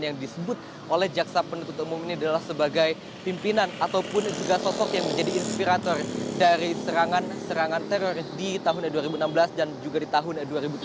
yang disebut oleh jaksa penuntut umum ini adalah sebagai pimpinan ataupun juga sosok yang menjadi inspirator dari serangan serangan teror di tahun dua ribu enam belas dan juga di tahun dua ribu tujuh belas